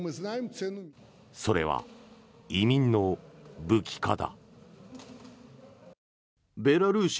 それは移民の武器化だ。